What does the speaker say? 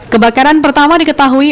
kebakaran pertama diketahui